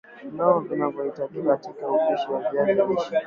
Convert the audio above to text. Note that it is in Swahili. Vyombo vinavyohitajika katika upishi wa viazi lishe